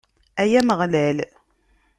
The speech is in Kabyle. Ay Ameɣlal!